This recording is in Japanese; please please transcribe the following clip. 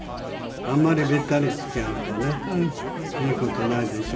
あんまりべったり付き合うとねいい事ないでしょ？